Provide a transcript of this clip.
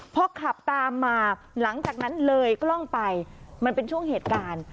พอขับตามมาหลังจากนั้นเลยกล้องไปมันเป็นช่วงเหตุการณ์